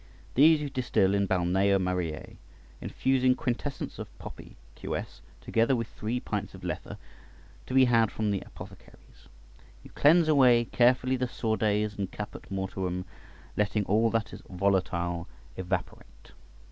These you distil in balneo Mariæ, infusing quintessence of poppy Q.S., together with three pints of lethe, to be had from the apothecaries. You cleanse away carefully the sordes and caput mortuum, letting all that is volatile evaporate.